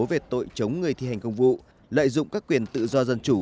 về tội chống người thi hành công vụ lợi dụng các quyền tự do dân chủ